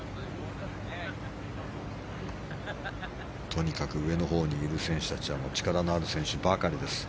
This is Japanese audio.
とにかく上のほうにいる選手たちは力のある選手ばかりです。